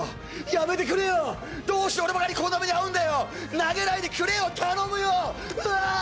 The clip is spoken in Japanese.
やめてくれよどうして俺ばかりこんな目にあうんだよ投げないでくれよ頼むよわあああ